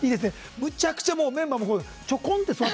むちゃくちゃメンバーもちょこんと座って。